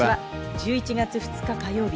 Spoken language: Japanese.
１１月２日、火曜日。